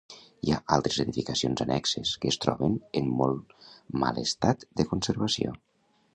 Hi ha altres edificacions annexes, que es troben en molt mal estat de conservació.